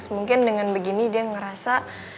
mungkin dengan begini dia ngerasa